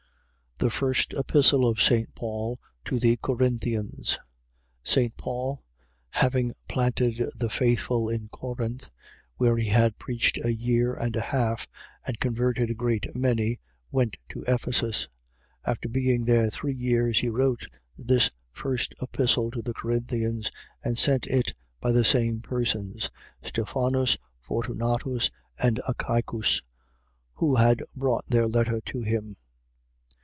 THE FIRST EPISTLE OF ST. PAUL TO THE CORINTHIANS St. Paul, having planted the faithful in Corinth, where he had preached a year and a half and converted a great many, went to Ephesus. After being there three years, he wrote this first Epistle to the Corinthians and sent it by the same persons, Stephanus, Fortunatus and Achaicus, who had brought their letter to him.